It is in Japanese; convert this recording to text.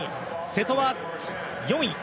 瀬戸は４位。